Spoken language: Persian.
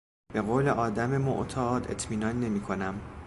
به قول آدم معتاد اطمینان نمیکنم.